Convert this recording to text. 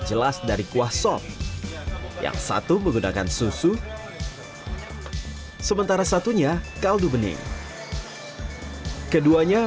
jelas dari kuah sop yang satu menggunakan susu sementara satunya kaldu bening keduanya